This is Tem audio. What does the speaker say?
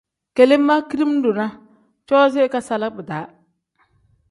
Kele ma kidiim-ro na coozi ikasala bidaa.